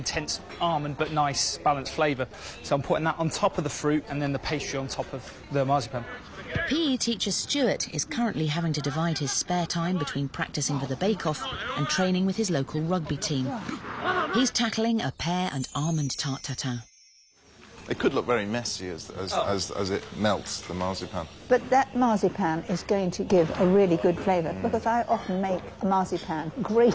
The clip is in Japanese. はい。